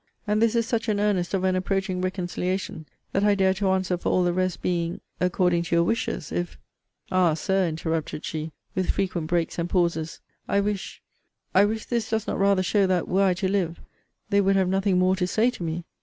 And this is such an earnest of an approaching reconciliation, that I dare to answer for all the rest being according to your wishes, if Ah! Sir, interrupted she, with frequent breaks and pauses I wish I wish this does not rather show that, were I to live, they would have nothing more to say to me.